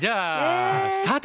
スタート！